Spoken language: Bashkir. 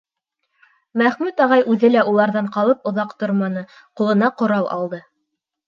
Мәхмүт ағай үҙе лә уларҙан ҡалып оҙаҡ торманы, ҡулына ҡорал алды.